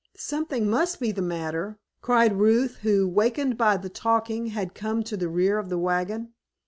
"Something must be the matter," cried Ruth, who, wakened by the talking, had come to the rear of the wagon.